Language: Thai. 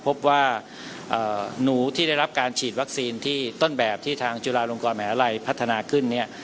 พบว่าหนูที่ได้รับการฉีดวัคซีนที่ต้นแบบที่ทางจุฬาลงกรมหาวิทยาลัยพัฒนาขึ้นเนี่ย